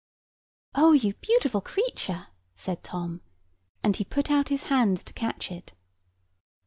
"Oh, you beautiful creature!" said Tom; and he put out his hand to catch it.